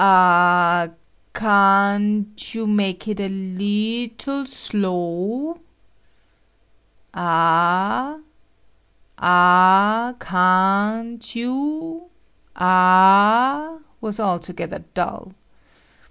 A ah ca an't you make it a leetle slow? A ah?" "A ah ca an't you?" "A ah?" was altogether dull.